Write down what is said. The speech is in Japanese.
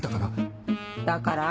だから。